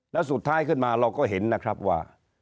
แล้วสุดท้ายขึ้นมาเราก็เห็นนะครับว่า